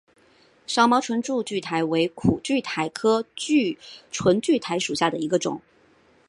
少毛唇柱苣苔为苦苣苔科唇柱苣苔属下的一个种。